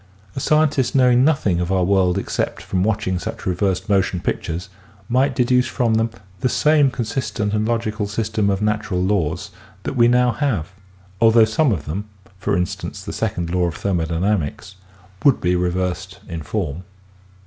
A scientist knowing nothing of our world except from watching such reversed motion pictures might deduce from them the same consistent and logical system of natural laws that we now have although some of them, for instance, the second law of thermp dynamics, would be reversed in form.